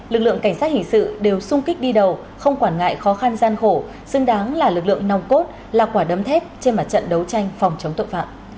lực lượng cảnh sát hình sự đều sung kích đi đầu không quản ngại khó khăn gian khổ xứng đáng là lực lượng nòng cốt là quả đấm thép trên mặt trận đấu tranh phòng chống tội phạm